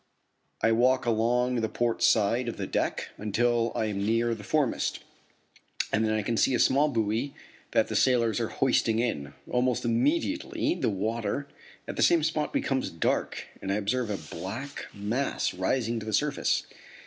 I walk along the port side of the deck until I am near the foremast, and then I can see a small buoy that the sailors are hoisting in. Almost immediately the water, at the same spot becomes dark and I observe a black mass rising to the surface.